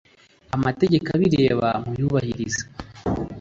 amategeko abireba muyubahirize.